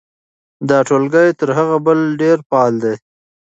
دا ټولګی تر هغه بل ډېر فعال دی.